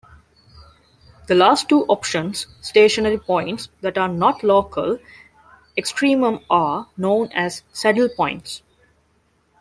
The last two options-stationary points that are "not" local extremum-are known as saddle points.